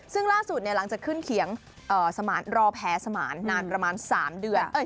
ซึ่งล่าสุดหลังจากขึ้นเขียงสมานรอแผลสมานนานประมาณ๓เดือน